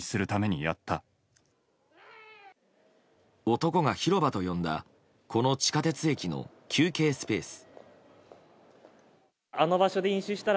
男が広場と呼んだこの地下鉄駅の休憩スペース。